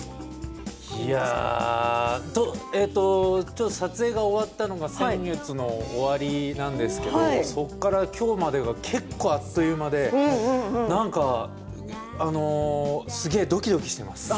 いやあ撮影が終わったのが先月の終わりなんですがそっからきょうまでが結構あっと言う間でなんか、すげえどきどきしています。